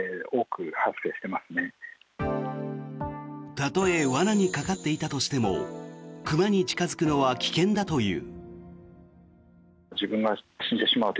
たとえ罠にかかっていたとしても熊に近付くのは危険だという。